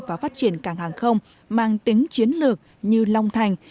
và phát triển cảng hàng không mang tính chiến lược như long thành